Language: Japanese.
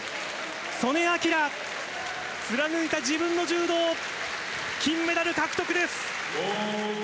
素根輝、貫いた自分の柔道、金メダル獲得です。